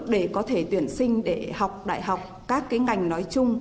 để có thể tuyển sinh để học đại học các cái ngành nói chung